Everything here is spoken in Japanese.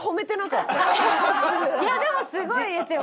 でもすごいですよ